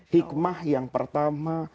hikmah yang pertama